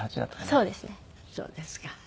そうですか。